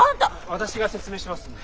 私が説明しますんで。